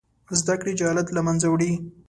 زده کړې جهالت له منځه وړي.